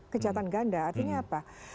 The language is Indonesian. kejahatan ganda artinya apa